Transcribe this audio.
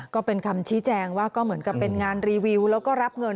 ก็เป็นคำชี้แจงว่าก็เหมือนกับเป็นงานรีวิวแล้วก็รับเงิน